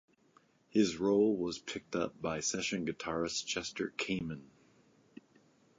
His role was picked up by session guitarist Chester Kamen.